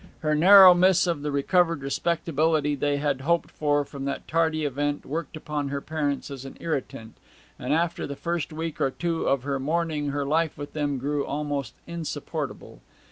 Her narrow miss of the recovered respectability they had hoped for from that tardy event worked upon her parents as an irritant, and after the first week or two of her mourning her life with them grew almost insupportable.